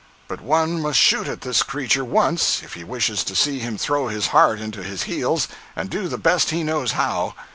But one must shoot at this creature once, if he wishes to see him throw his heart into his heels, and do the best he knows how.